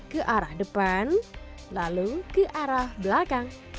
ke arah depan lalu ke arah belakang